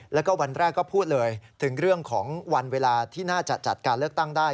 แล้วก็วันแรกก็พูดเลยถึงเรื่องของวันเวลาที่น่าจะจัดการเลือกตั้งได้